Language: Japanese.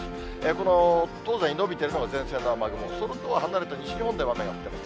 この東西に延びてるのが前線の雨雲、それとは離れた西日本では雨が降っています。